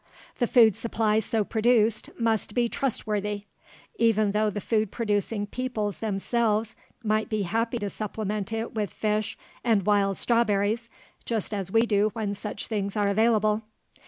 The food supply so produced must be trustworthy, even though the food producing peoples themselves might be happy to supplement it with fish and wild strawberries, just as we do when such things are available.